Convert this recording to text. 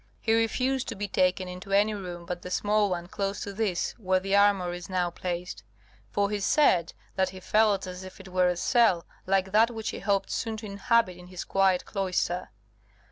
He refused to be taken into any room but the small one close to this where the armour is now placed; for he said that he felt as if it were a cell like that which he hoped soon to inhabit in his quiet cloister.